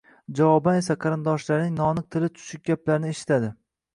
javoban esa qarindoshlarining noaniq tili chuchuk gaplarini eshitadi.